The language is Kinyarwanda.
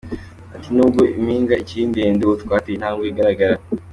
Ati “N’ubwo impinga ikiri ndende ubu twateye intambwe igaragara”.